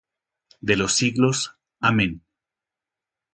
de los siglos. Amén.